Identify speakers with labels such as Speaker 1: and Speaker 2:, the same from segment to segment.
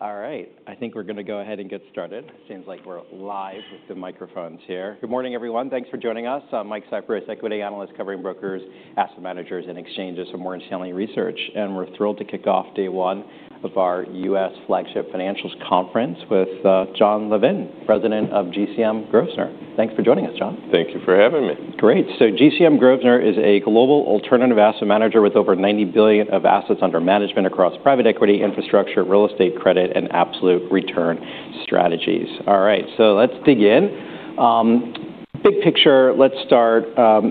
Speaker 1: All right. I think we're going to go ahead and get started. Seems like we're live with the microphones here. Good morning, everyone. Thanks for joining us. I'm Mike Cyprys, Equity Analyst covering brokers, asset managers, and exchanges for Morgan Stanley Research. We're thrilled to kick off day one of our U.S. Flagship Financials Conference with Jon Levin, president of GCM Grosvenor. Thanks for joining us, Jon.
Speaker 2: Thank you for having me.
Speaker 1: Great. GCM Grosvenor is a global alternative asset manager with over $90 billion of assets under management across private equity, infrastructure, real estate credit, and absolute return strategies. All right, let's dig in. Big picture, let's start.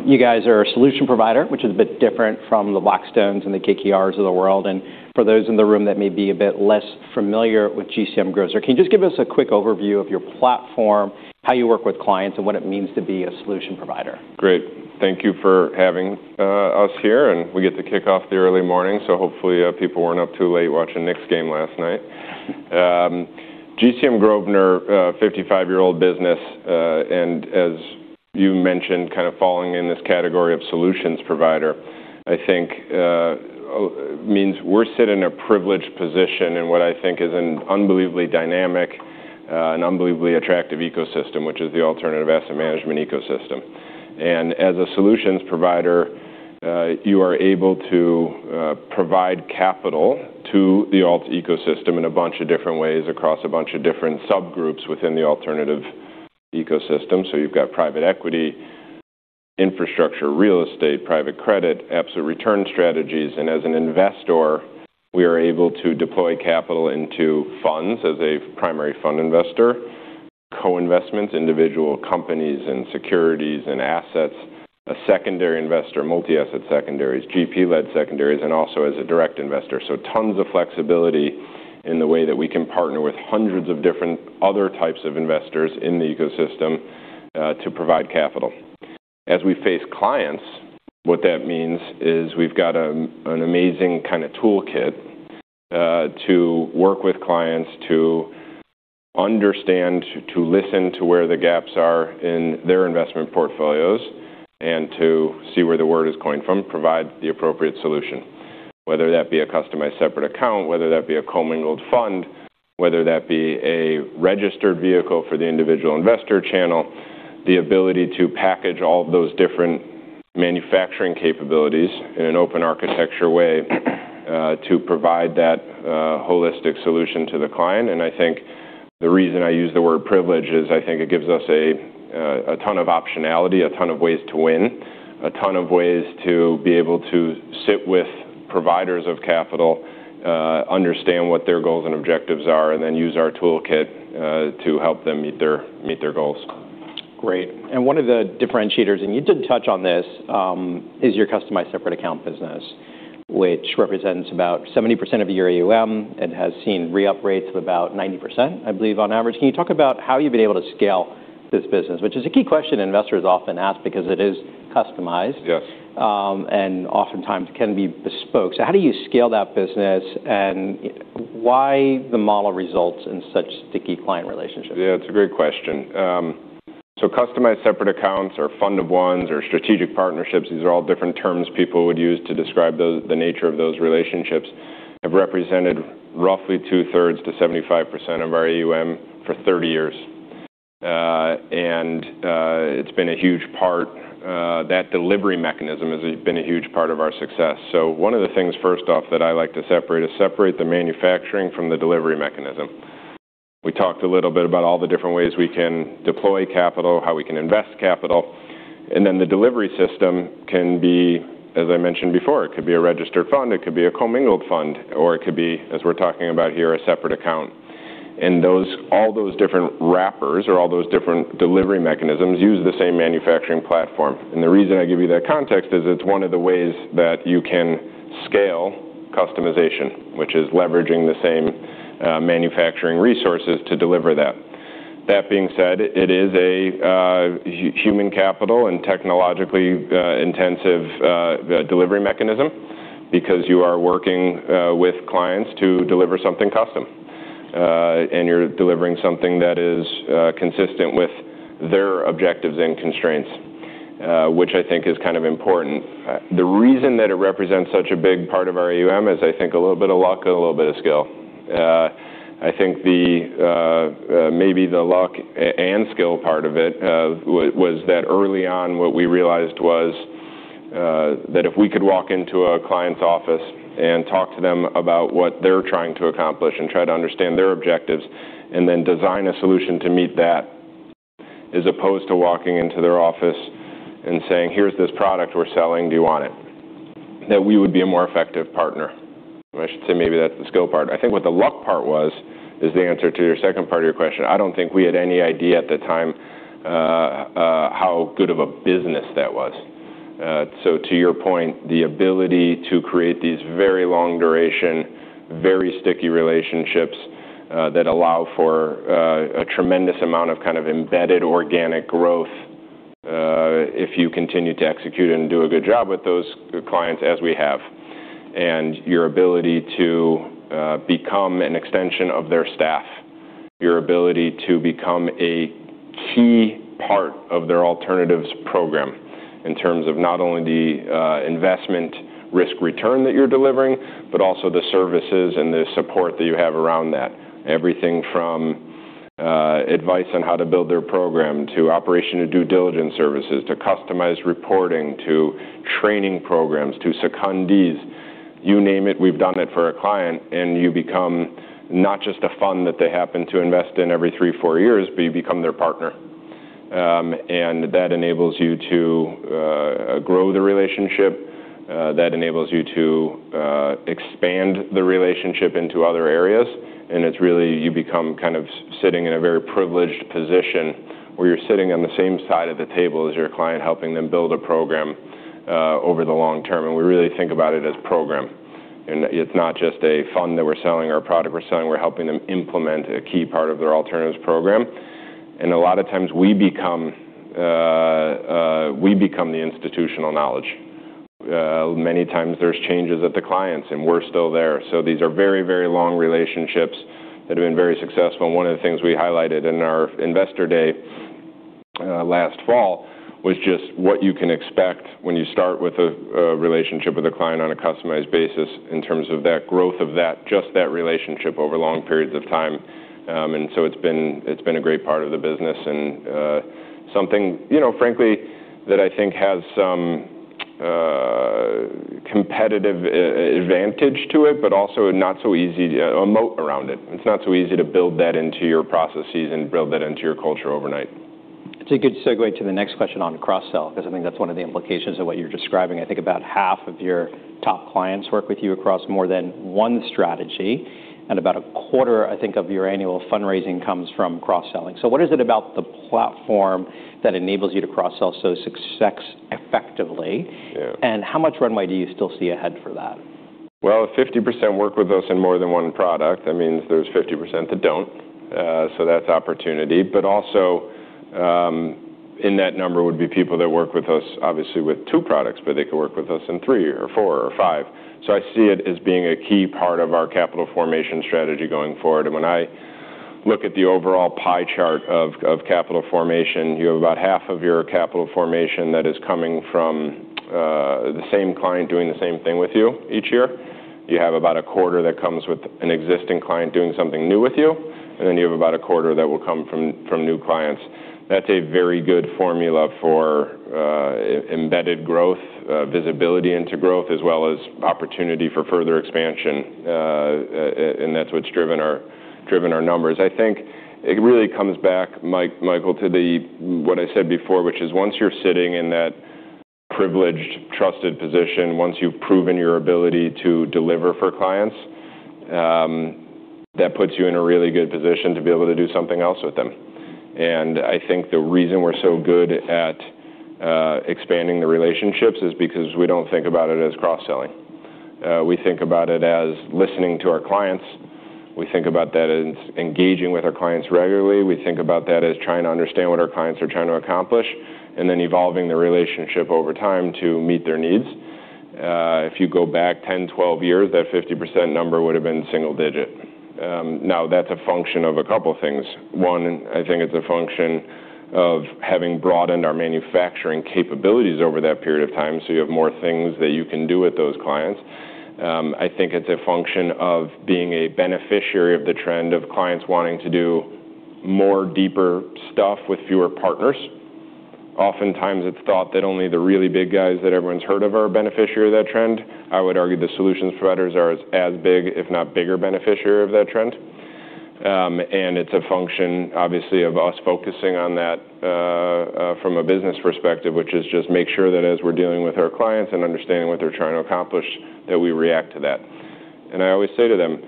Speaker 1: You guys are a solution provider, which is a bit different from the Blackstone and the KKR of the world. For those in the room that may be a bit less familiar with GCM Grosvenor, can you just give us a quick overview of your platform, how you work with clients, and what it means to be a solution provider?
Speaker 2: Great. Thank you for having us here, and we get to kick off the early morning, so hopefully, people weren't up too late watching the Knicks game last night. GCM Grosvenor, a 55-year-old business, and as you mentioned, kind of falling in this category of solutions provider, I think means we sit in a privileged position in what I think is an unbelievably dynamic and unbelievably attractive ecosystem, which is the alternative asset management ecosystem. As a solutions provider, you are able to provide capital to the alt ecosystem in a bunch of different ways across a bunch of different subgroups within the alternative ecosystem. You've got private equity, infrastructure, real estate, private credit, absolute return strategies, and as an investor, we are able to deploy capital into funds as a primary fund investor, co-investments, individual companies and securities and assets, a secondary investor, multi-asset secondaries, GP-led secondaries, and also as a direct investor. Tons of flexibility in the way that we can partner with hundreds of different other types of investors in the ecosystem to provide capital. As we face clients, what that means is we've got an amazing kind of toolkit to work with clients to understand, to listen to where the gaps are in their investment portfolios, and to see where the word is coming from, provide the appropriate solution, whether that be a customized separate account, whether that be a commingled fund, whether that be a registered vehicle for the individual investor channel, the ability to package all of those different manufacturing capabilities in an open architecture way to provide that holistic solution to the client. I think the reason I use the word privilege is I think it gives us a ton of optionality, a ton of ways to win, a ton of ways to be able to sit with providers of capital, understand what their goals and objectives are, and then use our toolkit to help them meet their goals.
Speaker 1: Great. One of the differentiators, and you did touch on this, is your customized separate account business, which represents about 70% of your AUM and has seen re-up rates of about 90%, I believe, on average. Can you talk about how you've been able to scale this business? Which is a key question investors often ask because it is customized-
Speaker 2: Yes....
Speaker 1: and oftentimes can be bespoke. How do you scale that business, and why the model results in such sticky client relationships?
Speaker 2: It's a great question. Customized separate accounts or fund of ones or strategic partnerships, these are all different terms people would use to describe the nature of those relationships, have represented roughly 2/3 to 75% of our AUM for 30 years. It's been a huge part. That delivery mechanism has been a huge part of our success. One of the things, first off, that I like to separate is separate the manufacturing from the delivery mechanism. We talked a little bit about all the different ways we can deploy capital, how we can invest capital, and then the delivery system can be, as I mentioned before, it could be a registered fund, it could be a commingled fund, or it could be, as we're talking about here, a separate account. All those different wrappers or all those different delivery mechanisms use the same manufacturing platform. The reason I give you that context is it's one of the ways that you can scale customization, which is leveraging the same manufacturing resources to deliver that. That being said, it is a human capital and technologically intensive delivery mechanism because you are working with clients to deliver something custom, and you're delivering something that is consistent with their objectives and constraints, which I think is kind of important. The reason that it represents such a big part of our AUM is I think a little bit of luck and a little bit of skill. I think maybe the luck and skill part of it was that early on, what we realized was that if we could walk into a client's office and talk to them about what they're trying to accomplish and try to understand their objectives, and then design a solution to meet that, as opposed to walking into their office and saying, "Here's this product we're selling. Do you want it?" That we would be a more effective partner. I should say maybe that's the skill part. I think what the luck part was is the answer to your second part of your question. I don't think we had any idea at the time how good of a business that was. To your point, the ability to create these very long-duration, very sticky relationships that allow for a tremendous amount of kind of embedded organic growth if you continue to execute and do a good job with those clients as we have. Your ability to become an extension of their staff. Your ability to become a key part of their alternatives program, in terms of not only the investment risk-return that you're delivering, but also the services and the support that you have around that. Everything from advice on how to build their program, to operation and due diligence services, to customized reporting, to training programs, to secondees. You name it, we've done it for a client. You become not just a fund that they happen to invest in every three, four years, but you become their partner. That enables you to grow the relationship, that enables you to expand the relationship into other areas. It's really you become sitting in a very privileged position where you're sitting on the same side of the table as your client, helping them build a program over the long term. We really think about it as program. It's not just a fund that we're selling or a product we're selling. We're helping them implement a key part of their alternatives program. A lot of times we become the institutional knowledge. Many times there's changes at the clients, and we're still there. These are very long relationships that have been very successful. One of the things we highlighted in our Investor Day last fall was just what you can expect when you start with a relationship with a client on a customized basis, in terms of that growth of just that relationship over long periods of time. It's been a great part of the business, and something frankly that I think has some competitive advantage to it, but also a moat around it. It's not so easy to build that into your processes and build that into your culture overnight.
Speaker 1: It's a good segue to the next question on cross-sell, because I think that's one of the implications of what you're describing. I think about half of your top clients work with you across more than one strategy, and about a quarter, I think, of your annual fundraising comes from cross-selling. What is it about the platform that enables you to cross-sell so successfully?
Speaker 2: Yeah.
Speaker 1: How much runway do you still see ahead for that?
Speaker 2: If 50% work with us in more than one product, that means there's 50% that don't. That's opportunity. Also, in that number would be people that work with us, obviously, with two products, but they could work with us in three or four or five. I see it as being a key part of our capital formation strategy going forward. When I look at the overall pie chart of capital formation, you have about half of your capital formation that is coming from the same client doing the same thing with you each year. You have about a quarter that comes with an existing client doing something new with you, and then you have about a quarter that will come from new clients. That's a very good formula for embedded growth, visibility into growth, as well as opportunity for further expansion. That's what's driven our numbers. I think it really comes back, Michael, to what I said before, which is once you're sitting in that privileged, trusted position, once you've proven your ability to deliver for clients, that puts you in a really good position to be able to do something else with them. I think the reason we're so good at expanding the relationships is because we don't think about it as cross-selling. We think about it as listening to our clients, we think about that as engaging with our clients regularly. We think about that as trying to understand what our clients are trying to accomplish, and then evolving the relationship over time to meet their needs. If you go back 10, 12 years, that 50% number would've been single digit. Now that's a function of a couple things. One, I think it's a function of having broadened our manufacturing capabilities over that period of time, so you have more things that you can do with those clients. I think it's a function of being a beneficiary of the trend of clients wanting to do more deeper stuff with fewer partners. Oftentimes, it's thought that only the really big guys that everyone's heard of are a beneficiary of that trend. I would argue the solutions providers are as big, if not bigger, beneficiary of that trend. It's a function, obviously, of us focusing on that from a business perspective, which is just make sure that as we're dealing with our clients and understanding what they're trying to accomplish, that we react to that. I always say to them,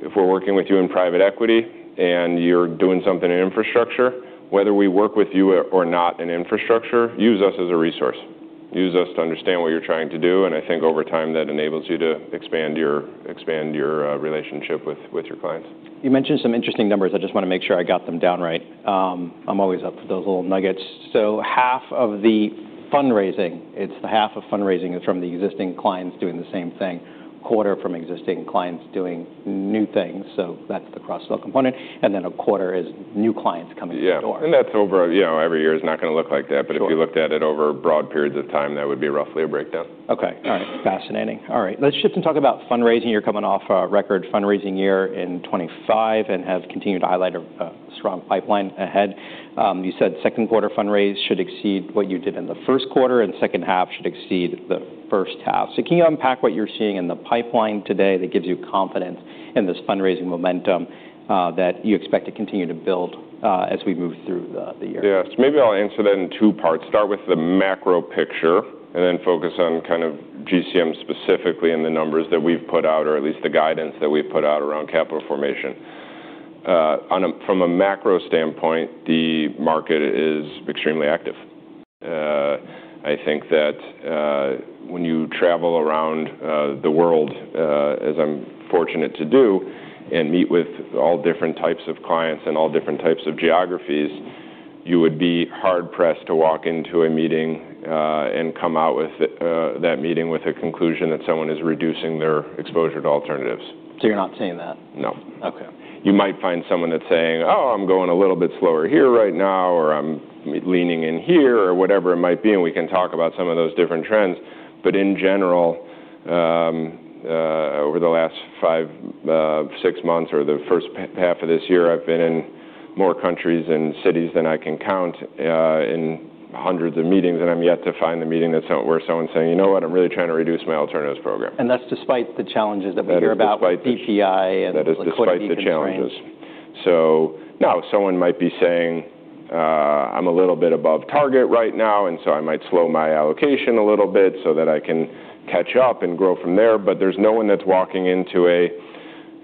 Speaker 2: "If we're working with you in private equity and you're doing something in infrastructure, whether we work with you or not in infrastructure, use us as a resource. Use us to understand what you're trying to do." I think over time, that enables you to expand your relationship with your clients.
Speaker 1: You mentioned some interesting numbers. I just want to make sure I got them down right. I'm always up for those little nuggets. Half of the fundraising is from the existing clients doing the same thing, a quarter from existing clients doing new things, so that's the cross-sell component, a quarter is new clients coming through the door.
Speaker 2: Yeah. Every year is not going to look like that.
Speaker 1: Sure.
Speaker 2: If you looked at it over broad periods of time, that would be roughly a breakdown.
Speaker 1: Okay. All right. Fascinating. All right, let's shift and talk about fundraising. You're coming off a record fundraising year in 2025, have continued to highlight a strong pipeline ahead. You said second quarter fundraise should exceed what you did in the first quarter, second half should exceed the first half. Can you unpack what you're seeing in the pipeline today that gives you confidence in this fundraising momentum that you expect to continue to build as we move through the year?
Speaker 2: Yes. Maybe I'll answer that in two parts. Start with the macro picture, then focus on GCM specifically and the numbers that we've put out or at least the guidance that we've put out around capital formation. From a macro standpoint, the market is extremely active. I think that when you travel around the world, as I'm fortunate to do, and meet with all different types of clients and all different types of geographies, you would be hard-pressed to walk into a meeting and come out with that meeting with a conclusion that someone is reducing their exposure to alternatives.
Speaker 1: You're not seeing that?
Speaker 2: No.
Speaker 1: Okay.
Speaker 2: You might find someone that's saying, "Oh, I'm going a little bit slower here right now," or, "I'm leaning in here," or whatever it might be, and we can talk about some of those different trends. In general, over the last five, six months or the first half of this year, I've been in more countries and cities than I can count in hundreds of meetings, and I'm yet to find the meeting where someone's saying, "You know what? I'm really trying to reduce my alternatives program.
Speaker 1: That's despite the challenges that we hear about-
Speaker 2: That is despite the-...
Speaker 1: with PCI and-
Speaker 2: That is despite the challenges....
Speaker 1: liquidity constraints.
Speaker 2: No, someone might be saying, "I'm a little bit above target right now, and so I might slow my allocation a little bit so that I can catch up and grow from there." There's no one that's walking into an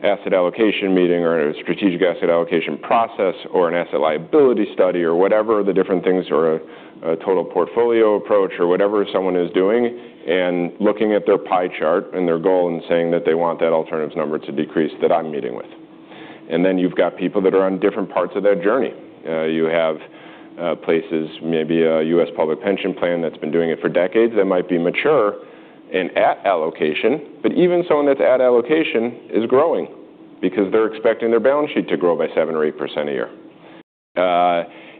Speaker 2: asset allocation meeting or a strategic asset allocation process or an asset liability study or whatever the different things, or a total portfolio approach or whatever someone is doing and looking at their pie chart and their goal and saying that they want that alternatives number to decrease that I'm meeting with. Then you've got people that are on different parts of their journey. You have places, maybe a U.S. public pension plan that's been doing it for decades that might be mature and at allocation, but even someone that's at allocation is growing because they're expecting their balance sheet to grow by 7% or 8% a year.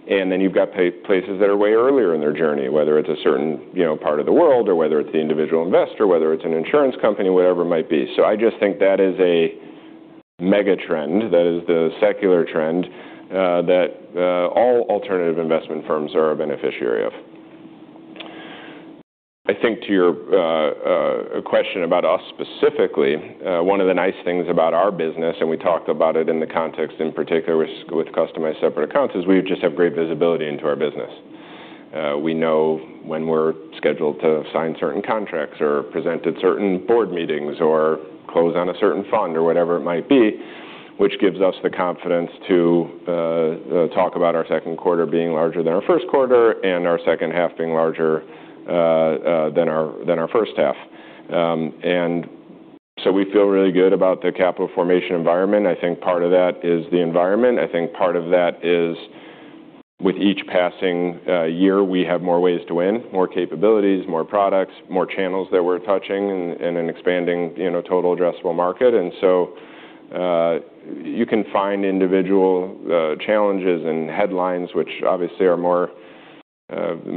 Speaker 2: Then you've got places that are way earlier in their journey, whether it's a certain part of the world or whether it's the individual investor, whether it's an insurance company, whatever it might be. I just think that is a mega trend. That is the secular trend that all alternative investment firms are a beneficiary of. I think to your question about us specifically, one of the nice things about our business, and we talked about it in the context in particular with customized separate accounts, is we just have great visibility into our business. We know when we're scheduled to sign certain contracts or present at certain board meetings or close on a certain fund or whatever it might be, which gives us the confidence to talk about our second quarter being larger than our first quarter and our second half being larger than our first half. We feel really good about the capital formation environment. I think part of that is the environment. I think part of that is with each passing year, we have more ways to win, more capabilities, more products, more channels that we're touching and an expanding total addressable market. You can find individual challenges and headlines, which obviously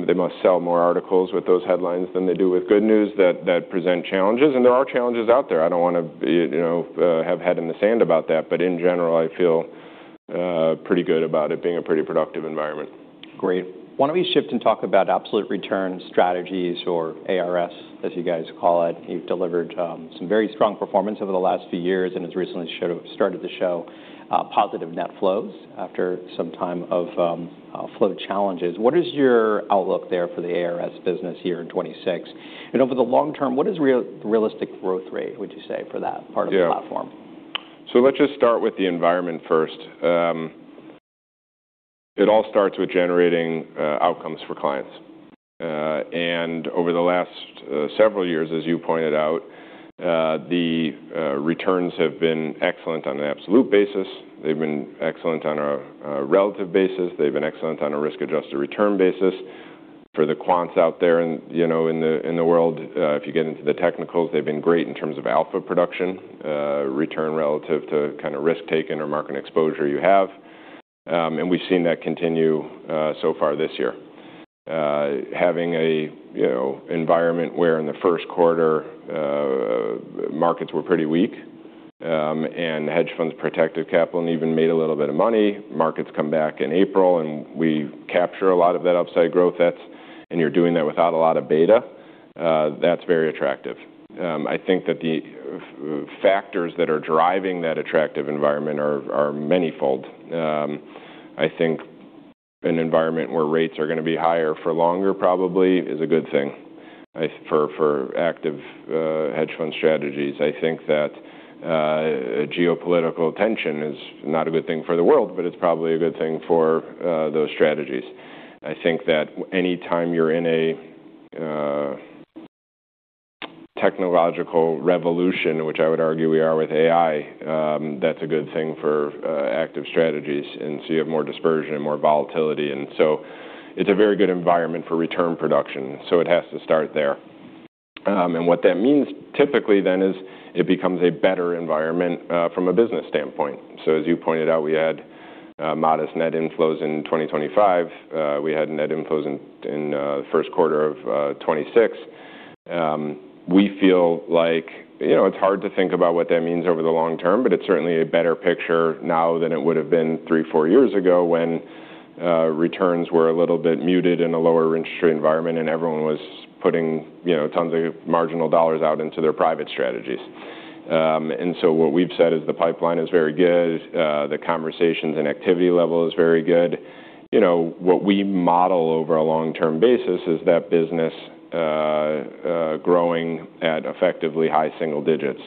Speaker 2: they must sell more articles with those headlines than they do with good news that present challenges. There are challenges out there. I don't want to have head in the sand about that. In general, I feel pretty good about it being a pretty productive environment.
Speaker 1: Why don't we shift and talk about absolute return strategies or ARS, as you guys call it. You've delivered some very strong performance over the last few years and has recently started to show positive net flows after some time of flow challenges. What is your outlook there for the ARS business year in 2026? Over the long term, what is realistic growth rate, would you say, for that part of the platform?
Speaker 2: Let's just start with the environment first. It all starts with generating outcomes for clients. Over the last several years, as you pointed out, the returns have been excellent on an absolute basis. They've been excellent on a relative basis. They've been excellent on a risk-adjusted return basis. For the quants out there in the world, if you get into the technicals, they've been great in terms of alpha production, return relative to risk-taking or market exposure you have. We've seen that continue so far this year. Having an environment where in the first quarter markets were pretty weak and hedge funds protected capital and even made a little bit of money. Markets come back in April, we capture a lot of that upside growth, and you're doing that without a lot of beta. That's very attractive. I think that the factors that are driving that attractive environment are manyfold. I think an environment where rates are going to be higher for longer probably is a good thing for active hedge fund strategies. I think that geopolitical tension is not a good thing for the world, but it's probably a good thing for those strategies. I think that any time you're in a technological revolution, which I would argue we are with AI, that's a good thing for active strategies, you have more dispersion and more volatility, it's a very good environment for return production. It has to start there. What that means typically then is it becomes a better environment from a business standpoint. As you pointed out, we had modest net inflows in 2025. We had net inflows in the first quarter of 2026. We feel like it's hard to think about what that means over the long term, but it's certainly a better picture now than it would have been three, four years ago when returns were a little bit muted in a lower interest rate environment and everyone was putting tons of marginal dollars out into their private strategies. What we've said is the pipeline is very good. The conversations and activity level is very good. What we model over a long-term basis is that business growing at effectively high single digits.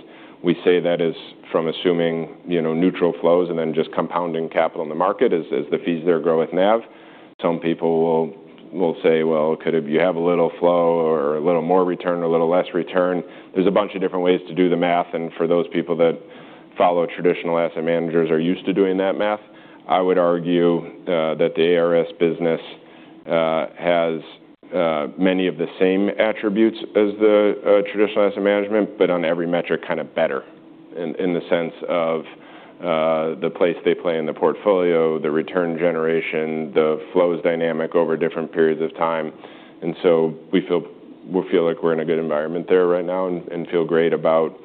Speaker 2: We say that is from assuming neutral flows and then just compounding capital in the market as the fees there grow with NAV. Some people will say, "Well, could you have a little flow or a little more return or a little less return?" There's a bunch of different ways to do the math, and for those people that follow traditional asset managers are used to doing that math. I would argue that the ARS business has many of the same attributes as the traditional asset management, but on every metric kind of better in the sense of the place they play in the portfolio, the return generation, the flows dynamic over different periods of time. We feel like we're in a good environment there right now and feel great about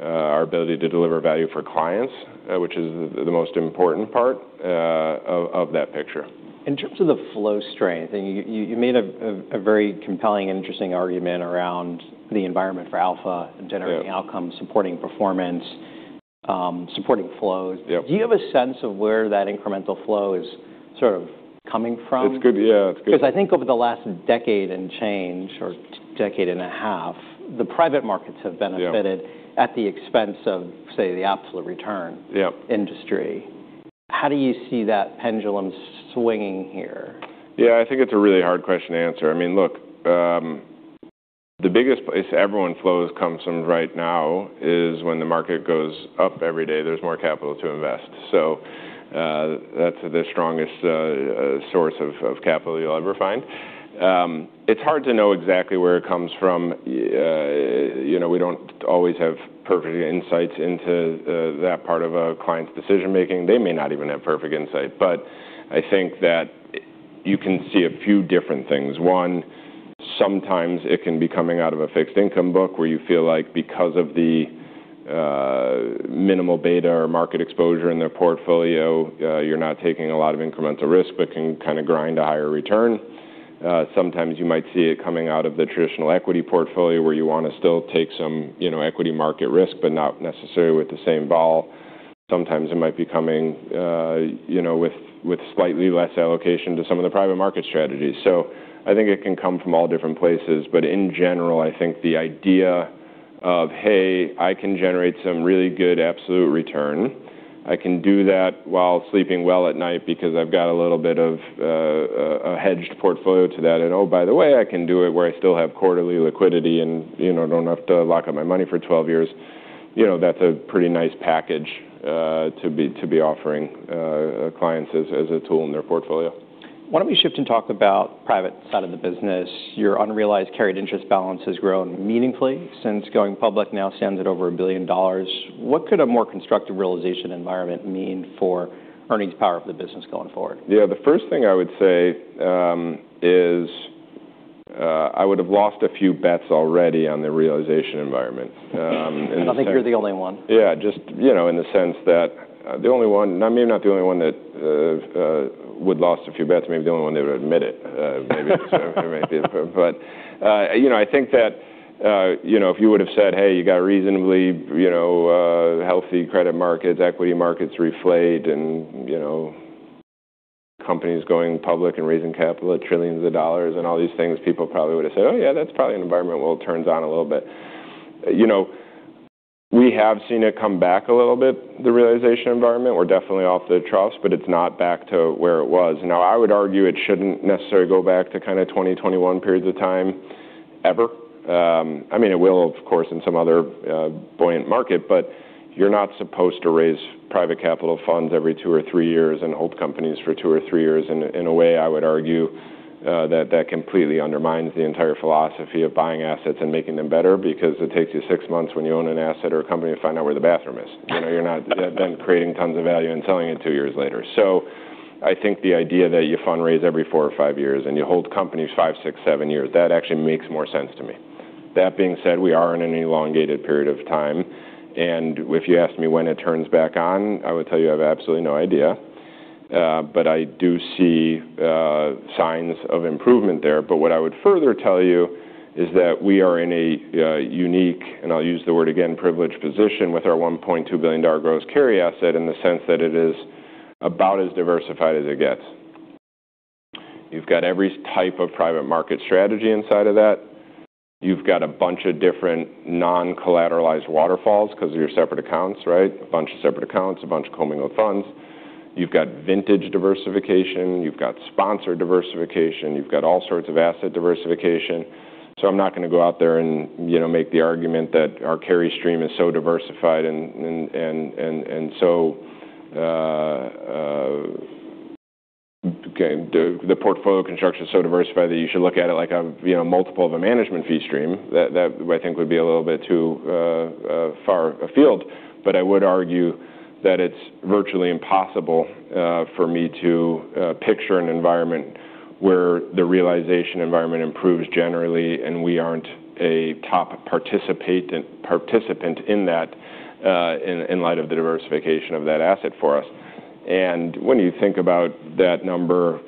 Speaker 2: our ability to deliver value for clients, which is the most important part of that picture.
Speaker 1: In terms of the flow strength, you made a very compelling and interesting argument around the environment for alpha-
Speaker 2: Yeah....
Speaker 1: generating outcomes, supporting performance, supporting flows.
Speaker 2: Yep.
Speaker 1: Do you have a sense of where that incremental flow is sort of coming from?
Speaker 2: It's good, yeah. It's good.
Speaker 1: I think over the last decade and change, or decade and a half, the private markets have benefited-
Speaker 2: Yeah....
Speaker 1: at the expense of, say, the absolute return-
Speaker 2: Yep....
Speaker 1: industry. How do you see that pendulum swinging here?
Speaker 2: Yeah. I think it's a really hard question to answer. Look, the biggest place everyone flows comes from right now is when the market goes up every day, there's more capital to invest. That's the strongest source of capital you'll ever find. It's hard to know exactly where it comes from. We don't always have perfect insights into that part of a client's decision-making. They may not even have perfect insight. I think that you can see a few different things. One, sometimes it can be coming out of a fixed income book where you feel like because of the minimal beta or market exposure in their portfolio, you're not taking a lot of incremental risk but can kind of grind a higher return. Sometimes you might see it coming out of the traditional equity portfolio where you want to still take some equity market risk, but not necessarily with the same vol. Sometimes it might be coming with slightly less allocation to some of the private market strategies. I think it can come from all different places. In general, I think the idea of, hey, I can generate some really good absolute return. I can do that while sleeping well at night because I've got a little bit of a hedged portfolio to that. Oh, by the way, I can do it where I still have quarterly liquidity and don't have to lock up my money for 12 years. That's a pretty nice package to be offering clients as a tool in their portfolio.
Speaker 1: Why don't we shift and talk about private side of the business. Your unrealized carried interest balance has grown meaningfully since going public, now stands at over $1 billion. What could a more constructive realization environment mean for earnings power of the business going forward?
Speaker 2: Yeah. The first thing I would say is, I would've lost a few bets already on the realization environment.
Speaker 1: I don't think you're the only one.
Speaker 2: Just in the sense that I may not be the only one that would lost a few bets. I may be the only one that would admit it. Maybe. I think that if you would've said, "Hey, you got reasonably healthy credit markets, equity markets re-flate, and companies going public and raising capital at trillions of dollars," and all these things, people probably would've said, "Oh, yeah, that's probably an environment where it turns on a little bit." We have seen it come back a little bit, the realization environment. We're definitely off the troughs, but it's not back to where it was. I would argue it shouldn't necessarily go back to kind of 2021 periods of time ever. It will, of course, in some other buoyant market. You're not supposed to raise private capital funds every two or three years and hold companies for two or three years. In a way, I would argue, that completely undermines the entire philosophy of buying assets and making them better because it takes you six months when you own an asset or a company to find out where the bathroom is. You're not then creating tons of value and selling it two years later. I think the idea that you fundraise every four or five years and you hold companies five, six, seven years, that actually makes more sense to me. That being said, we are in an elongated period of time, and if you ask me when it turns back on, I would tell you I have absolutely no idea. I do see signs of improvement there. What I would further tell you is that we are in a unique, and I'll use the word again, privileged position with our $1.2 billion gross carry asset in the sense that it is about as diversified as it gets. You've got every type of private market strategy inside of that. You've got a bunch of different non-collateralized waterfalls because of your separate accounts, right? A bunch of separate accounts, a bunch of commingled funds. You've got vintage diversification. You've got sponsor diversification. You've got all sorts of asset diversification. I'm not going to go out there and make the argument that our carry stream is so diversified and so the portfolio construction is so diversified that you should look at it like a multiple of a management fee stream. That I think would be a little bit too far afield. I would argue that it's virtually impossible for me to picture an environment where the realization environment improves generally, and we aren't a top participant in that, in light of the diversification of that asset for us. When you think about that number,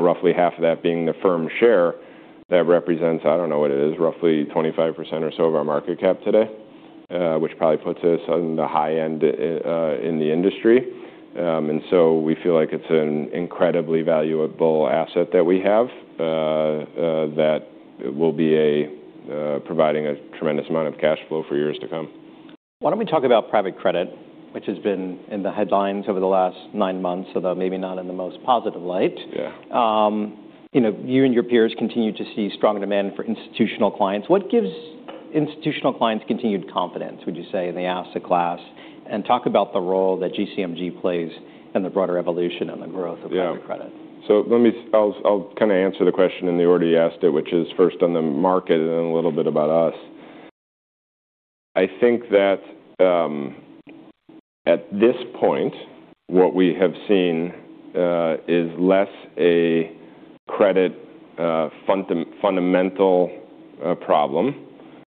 Speaker 2: roughly half of that being the firm share, that represents, I don't know what it is, roughly 25% or so of our market cap today. Which probably puts us on the high end in the industry. We feel like it's an incredibly valuable asset that we have, that will be providing a tremendous amount of cash flow for years to come.
Speaker 1: Why don't we talk about private credit, which has been in the headlines over the last nine months, although maybe not in the most positive light.
Speaker 2: Yeah.
Speaker 1: You and your peers continue to see strong demand for institutional clients. What gives institutional clients continued confidence, would you say, in the asset class? Talk about the role that GCMG plays in the broader evolution and the growth of private credit.
Speaker 2: I'll kind of answer the question, and you already asked it, which is first on the market, and then a little bit about us. I think that at this point, what we have seen is less a credit fundamental problem.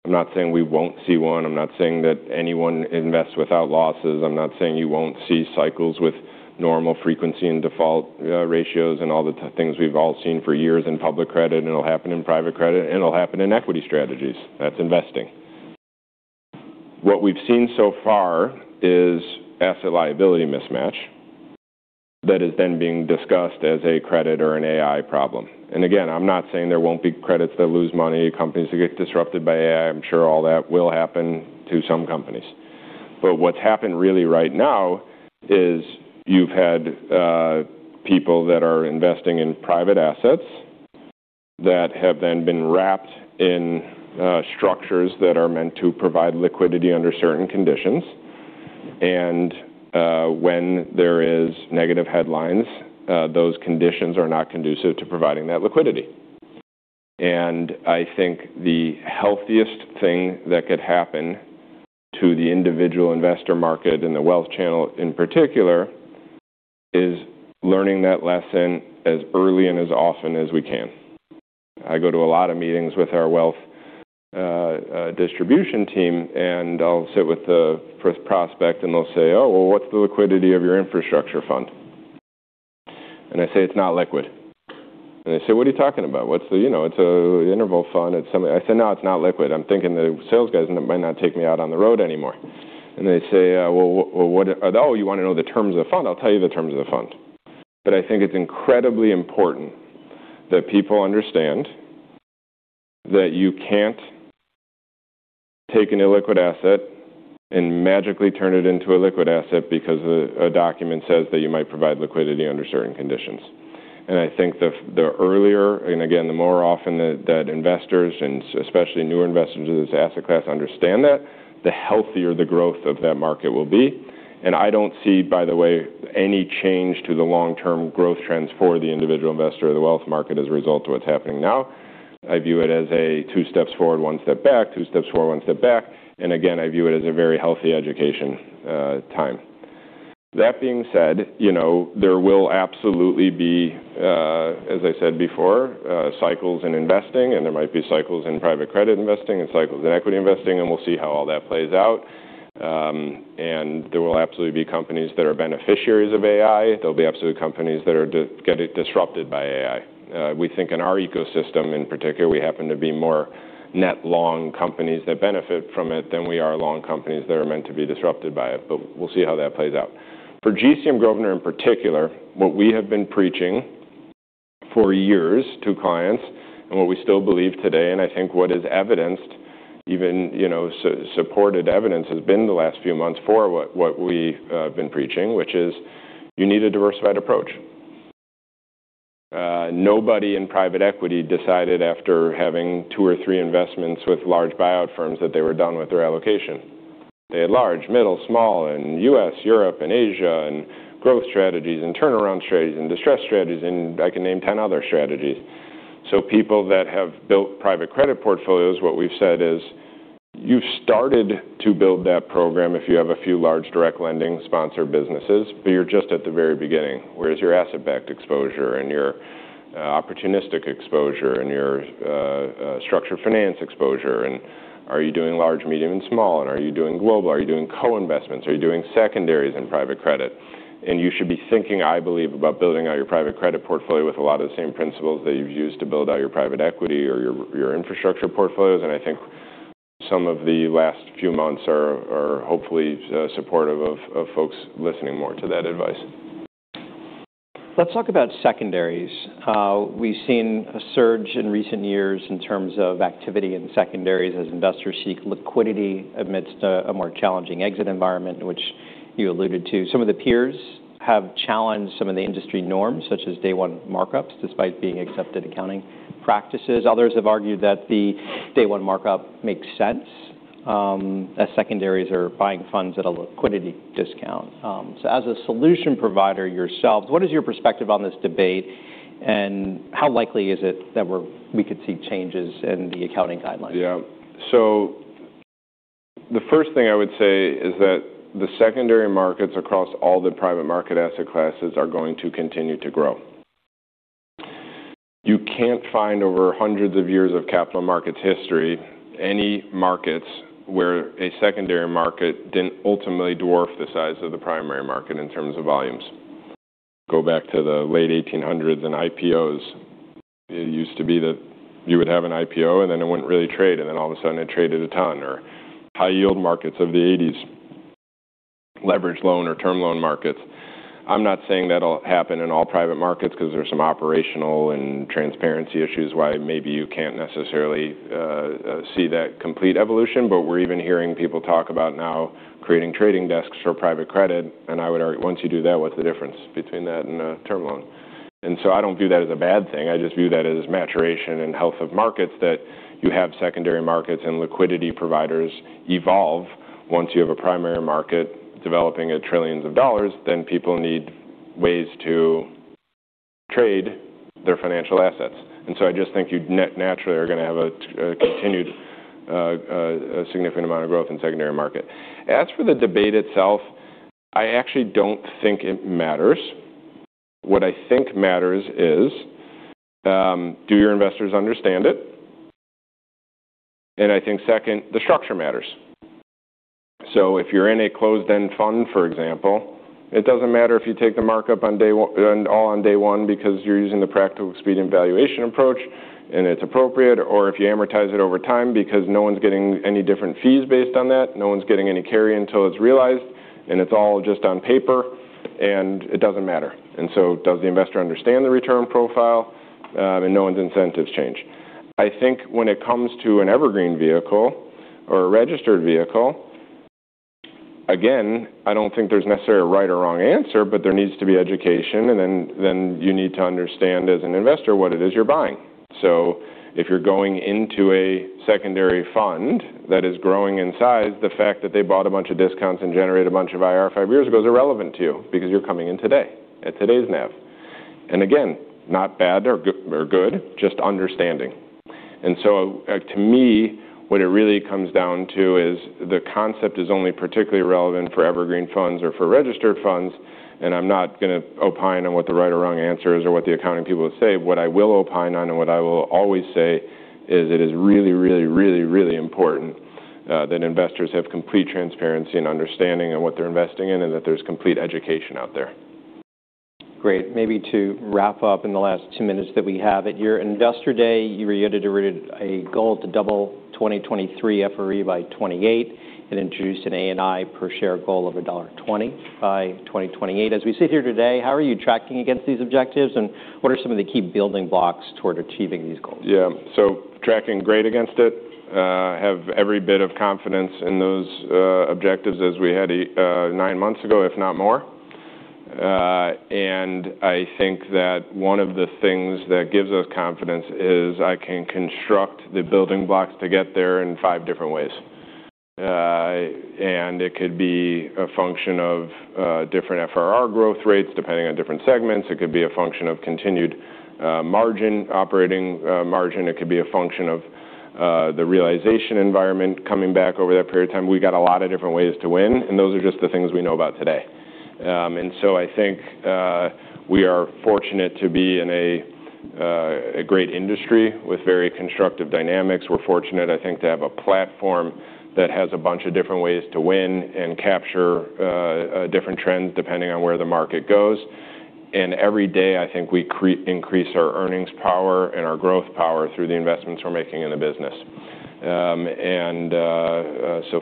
Speaker 2: I'm not saying we won't see one. I'm not saying that anyone invests without losses. I'm not saying you won't see cycles with normal frequency and default ratios and all the things we've all seen for years in public credit, and it'll happen in private credit, and it'll happen in equity strategies. That's investing. What we've seen so far is asset liability mismatch that is then being discussed as a credit or an AI problem. Again, I'm not saying there won't be credits that lose money, companies that get disrupted by AI. I'm sure all that will happen to some companies. What's happened really right now is you've had people that are investing in private assets that have then been wrapped in structures that are meant to provide liquidity under certain conditions. When there is negative headlines, those conditions are not conducive to providing that liquidity. I think the healthiest thing that could happen to the individual investor market and the wealth channel in particular, is learning that lesson as early and as often as we can. I go to a lot of meetings with our wealth distribution team, and I'll sit with the prospect and they'll say, "Oh, well, what's the liquidity of your infrastructure fund?" I say, "It's not liquid." They say, "What are you talking about? It's an interval fund." I say, "No, it's not liquid." I'm thinking the sales guys might not take me out on the road anymore. They say, "Oh, you want to know the terms of the fund? I'll tell you the terms of the fund." I think it's incredibly important that people understand that you can't take an illiquid asset and magically turn it into a liquid asset because a document says that you might provide liquidity under certain conditions. I think the earlier, and again, the more often that investors and especially newer investors into this asset class understand that, the healthier the growth of that market will be. I don't see, by the way, any change to the long-term growth trends for the individual investor or the wealth market as a result of what's happening now. I view it as a two steps forward, one step back, two steps forward, one step back, and again, I view it as a very healthy education time. That being said, there will absolutely be, as I said before, cycles in investing, and there might be cycles in private credit investing and cycles in equity investing, and we'll see how all that plays out. There will absolutely be companies that are beneficiaries of AI. There'll be absolutely companies that get disrupted by AI. We think in our ecosystem, in particular, we happen to be more net long companies that benefit from it than we are long companies that are meant to be disrupted by it. We'll see how that plays out. For GCM Grosvenor in particular, what we have been preaching for years to clients and what we still believe today, and I think what is evidenced even, supported evidence has been the last few months for what we have been preaching, which is you need a diversified approach. Nobody in private equity decided after having two or three investments with large buyout firms that they were done with their allocation. They had large, middle, small in U.S., Europe, and Asia, and growth strategies, and turnaround strategies, and distress strategies, and I can name 10 other strategies. People that have built private credit portfolios, what we've said is you've started to build that program if you have a few large direct lending sponsor businesses, but you're just at the very beginning. Where's your asset-backed exposure and your opportunistic exposure and your structured finance exposure? Are you doing large, medium, and small? Are you doing global? Are you doing co-investments? Are you doing secondaries in private credit? You should be thinking, I believe, about building out your private credit portfolio with a lot of the same principles that you've used to build out your private equity or your infrastructure portfolios. I think some of the last few months are hopefully supportive of folks listening more to that advice.
Speaker 1: Let's talk about secondaries. We've seen a surge in recent years in terms of activity in secondaries as investors seek liquidity amidst a more challenging exit environment, which you alluded to. Some of the peers have challenged some of the industry norms, such as day one markups, despite being accepted accounting practices. Others have argued that the day one markup makes sense as secondaries are buying funds at a liquidity discount. As a solution provider yourself, what is your perspective on this debate, and how likely is it that we could see changes in the accounting guidelines?
Speaker 2: The first thing I would say is that the secondary markets across all the private market asset classes are going to continue to grow. You can't find over hundreds of years of capital markets history, any markets where a secondary market didn't ultimately dwarf the size of the primary market in terms of volumes. Go back to the late 1800s and IPOs. It used to be that you would have an IPO, and then it wouldn't really trade, and then all of a sudden it traded a ton, or high-yield markets of the '80s, leverage loan or term loan markets. I'm not saying that'll happen in all private markets because there's some operational and transparency issues why maybe you can't necessarily see that complete evolution. We're even hearing people talk about now creating trading desks for private credit. I would argue, once you do that, what's the difference between that and a term loan? I don't view that as a bad thing. I just view that as maturation and health of markets, that you have secondary markets and liquidity providers evolve. Once you have a primary market developing at trillions of dollars, then people need ways to trade their financial assets. I just think you naturally are going to have a continued significant amount of growth in secondary market. As for the debate itself, I actually don't think it matters. What I think matters is, do your investors understand it? I think second, the structure matters. If you're in a closed-end fund, for example, it doesn't matter if you take the markup all on day one because you're using the practical expedient valuation approach and it's appropriate, or if you amortize it over time because no one's getting any different fees based on that, no one's getting any carry until it's realized, and it's all just on paper, and it doesn't matter. Does the investor understand the return profile? No one's incentives change. I think when it comes to an evergreen vehicle or a registered vehicle, again, I don't think there's necessarily a right or wrong answer, but there needs to be education, and then you need to understand as an investor what it is you're buying. If you're going into a secondary fund that is growing in size, the fact that they bought a bunch of discounts and generated a bunch of IRR five years ago is irrelevant to you because you're coming in today at today's NAV. Again, not bad or good, just understanding. To me, what it really comes down to is the concept is only particularly relevant for evergreen funds or for registered funds, and I'm not going to opine on what the right or wrong answer is or what the accounting people say. What I will opine on and what I will always say is it is really, really, really, really important that investors have complete transparency and understanding in what they're investing in and that there's complete education out there.
Speaker 1: Great. Maybe to wrap up in the last two minutes that we have. At your Investor Day, you reiterated a goal to double 2023 FRE by 2028 and introduced an ANI per share goal of $1.20 by 2028. As we sit here today, how are you tracking against these objectives, and what are some of the key building blocks toward achieving these goals?
Speaker 2: Yeah. Tracking great against it. Have every bit of confidence in those objectives as we had nine months ago, if not more. I think that one of the things that gives us confidence is I can construct the building blocks to get there in five different ways. It could be a function of different FRE growth rates, depending on different segments. It could be a function of continued margin, operating margin. It could be a function of the realization environment coming back over that period of time. We got a lot of different ways to win, and those are just the things we know about today. I think we are fortunate to be in a great industry with very constructive dynamics. We're fortunate, I think, to have a platform that has a bunch of different ways to win and capture different trends depending on where the market goes. Every day, I think we increase our earnings power and our growth power through the investments we're making in the business.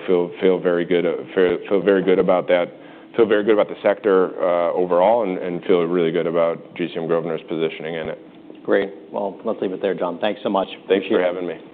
Speaker 2: Feel very good about that, feel very good about the sector overall, and feel really good about GCM Grosvenor's positioning in it.
Speaker 1: Great. Well, let's leave it there, Jon. Thanks so much.
Speaker 2: Thanks for having me.